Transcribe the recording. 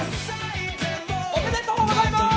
おめでとうございます！